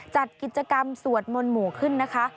จัดกิจกรรมสวดมนต์หมู่ขึ้นนะคะ